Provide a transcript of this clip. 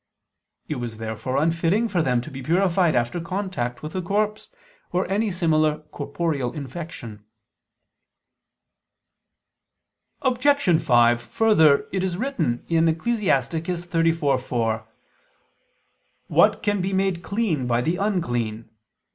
It was therefore unfitting for them to be purified after contact with a corpse, or any similar corporeal infection. Obj. 5: Further, it is written (Ecclus. 34:4): "What can be made clean by the unclean?"